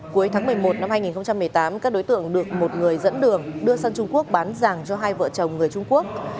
cuối tháng một mươi một năm hai nghìn một mươi tám các đối tượng được một người dẫn đường đưa sang trung quốc bán giàng cho hai vợ chồng người trung quốc